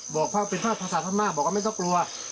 บอกว่าเป็นภาพภาษาพม่าบอกว่าไม่ต้องกลัว